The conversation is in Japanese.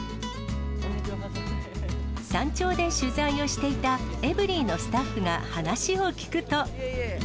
山頂で取材をしていたエブリィのスタッフが話を聞くと。